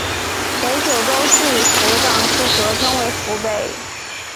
北九州市与福冈市合称为福北。